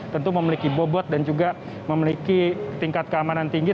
tentu memiliki bobot dan juga memiliki tingkat keamanan tinggi